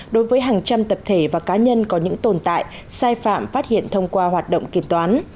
đối với hàng trăm tập thể và cá nhân có những tồn tại sai phạm phát hiện thông qua hoạt động kiểm toán